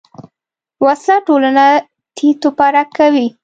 وسله ټولنه تیت و پرک کوي